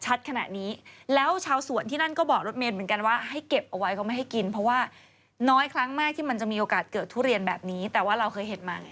ขนาดนี้แล้วชาวสวนที่นั่นก็บอกรถเมย์เหมือนกันว่าให้เก็บเอาไว้เขาไม่ให้กินเพราะว่าน้อยครั้งมากที่มันจะมีโอกาสเกิดทุเรียนแบบนี้แต่ว่าเราเคยเห็นมา